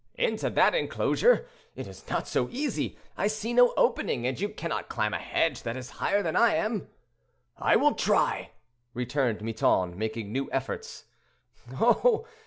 "Into that inclosure, it is not so easy. I see no opening, and you cannot climb a hedge that is higher than I am." "I will try," returned Miton, making new efforts. "Oh!